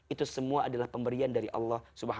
itu semua adalah pemberian dari allah subhanahu wa ta'ala